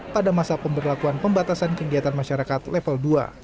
pada masa pemberlakuan pembatasan kegiatan masyarakat level dua